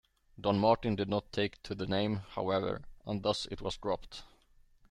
Don Martin did not take to the name, however, and thus it was dropped.